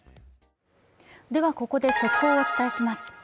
ここで速報をお伝えします。